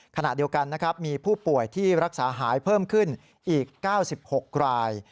ขณะเดียวกันนะครับมีผู้ป่วยที่รักษาหายเพิ่มขึ้นอีก๙๖ราย